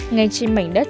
ngay trên mảnh đất